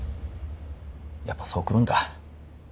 やっぱそうくるんだ。